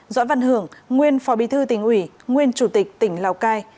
doãn văn hưởng nguyên phó bí thư tỉnh ủy nguyên chủ tịch tỉnh lào cai